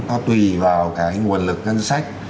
nó tùy vào cái nguồn lực ngân sách